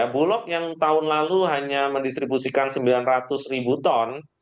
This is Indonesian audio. bulog yang tahun lalu hanya mendistribusikan sembilan ratus ribu ton